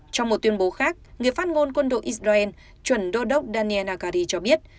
trong một tuyên bố khác người phát ngôn quân đội israel chuẩn đô đốc daniel nakari cho biết